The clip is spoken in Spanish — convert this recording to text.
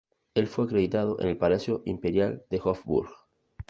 El fue acreditado en el Palacio Imperial de Hofburg.